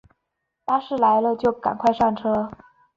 巴士来了就赶快上车